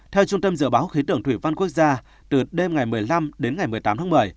theo trung tâm dự báo khí tượng thủy văn quốc gia từ đêm ngày một mươi năm đến ngày một mươi tám tháng một mươi